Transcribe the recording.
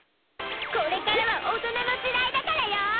これからは大人の時代だからよ！